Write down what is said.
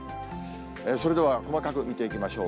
それでは細かく見ていきましょう。